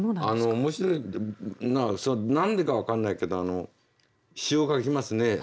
面白いのは何でか分かんないけど詩を書きますね。